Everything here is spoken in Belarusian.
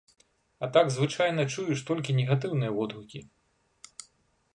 А так звычайна чуеш толькі негатыўныя водгукі.